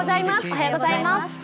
おはようございます。